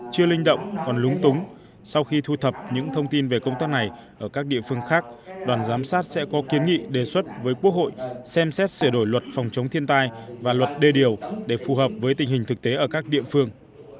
chưa linh động còn lúng túng sau khi thu thập những thông tin về công tác này ở các địa phương khác đoàn giám sát sẽ có kiến nghị đề xuất với quốc hội xem xét sửa đổi luật phòng chống thiên tai và luật đê điều để phù hợp với tình hình thực tế ở các địa phương